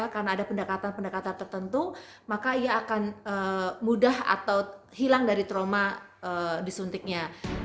karena ada pendekatan pendekatan tertentu maka ia akan mudah atau hilang dari trauma disuntiknya